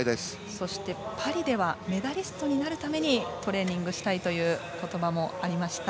そしてパリではメダリストになるためにトレーニングしたいという言葉もありました。